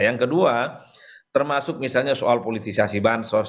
yang kedua termasuk misalnya soal politisasi bansos